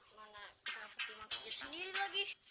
mana kita fatima kerja sendiri lagi